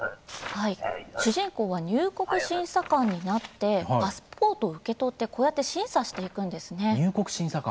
主人公は入国審査官になってパスポートを受け取ってこうやって審査していくんですね。